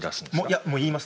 いやもう言います。